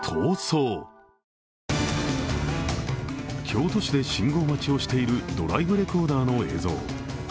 京都市で信号待ちをしているドライブレコーダーの映像。